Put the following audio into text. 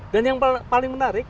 dan yang paling menarik